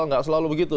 tidak selalu begitu